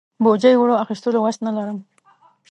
بوجۍ اوړو اخستلو وس نه لرم.